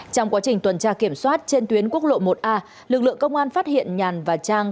trong quá trình tuần tra kiểm soát trên tuyến quốc lộ một a lực lượng công an phát hiện nhàn và trang